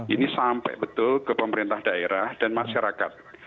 ini sampai betul ke pemerintah daerah dan masyarakat